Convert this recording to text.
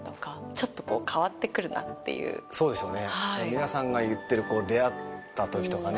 皆さんが言ってる出会った時とかね